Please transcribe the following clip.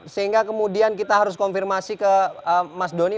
sehingga kemudian kita harus konfirmasi ke mas doni